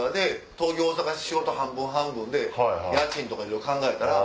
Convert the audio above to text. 東京大阪仕事半分半分で家賃とかいろいろ考えたら。